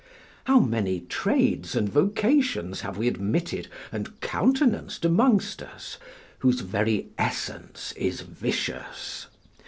How many trades and vocations have we admitted and countenanced amongst us, whose very essence is vicious?